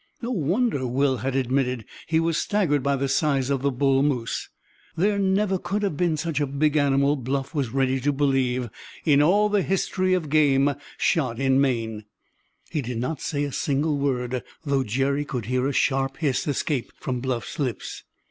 No wonder Will had admitted he was staggered by the size of the bull moose! There never could have been such a big animal, Bluff was ready to believe, in all the history of game shot in Maine. He did not say a single word, though Jerry could hear a sharp hiss escape from Bluff's lips.